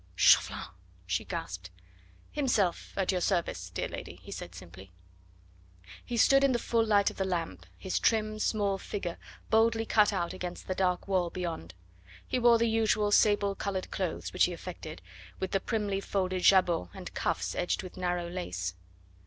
"Chauvelin!" she gasped. "Himself at your service, dear lady," he said simply. He stood in the full light of the lamp, his trim, small figure boldly cut out against the dark wall beyond. He wore the usual sable coloured clothes which he affected, with the primly folded jabot and cuffs edged with narrow lace.